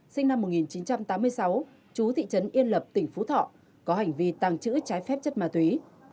sinh năm một nghìn chín trăm tám mươi sáu chú thị trấn yên lập tỉnh phú thọ có hành vi tàng trữ trái phép chất ma túy